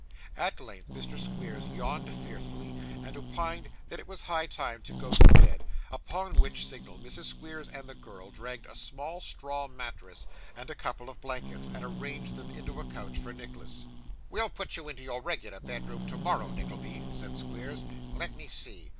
At length, Mr. Squeers yawned fearfully, and opined that it was high time to go to bed; upon which signal, Mrs. Squeers and the girl dragged in a small straw mattress and a couple of blankets, and arranged them into a couch for Nicholas. 'We'll put you into your regular bedroom tomorrow, Nickelby,' said Squeers. 'Let me see!